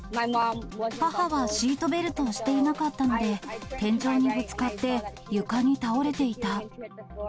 母はシートベルトをしていなかったので、天井にぶつかって床に倒れていた。